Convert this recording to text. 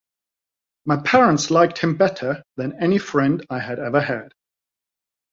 My parents liked him better than any friend I had ever had.